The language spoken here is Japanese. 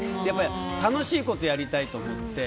楽しいことやりたいと思って。